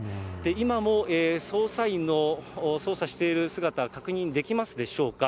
今も捜査員の捜査している姿、確認できますでしょうか。